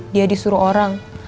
dia disuruh orang